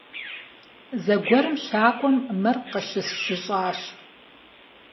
Зэгуэрым щакӀуэм мыр къыщысщыщӀащ.